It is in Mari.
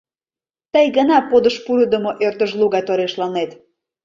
Тый гына подыш пурыдымо ӧрдыжлу гай торешланет.